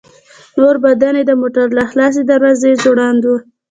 نور بدن يې د موټر له خلاصې دروازې ځوړند و.